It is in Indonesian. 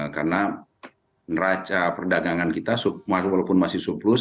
karena neraca perdagangan kita walaupun masih surplus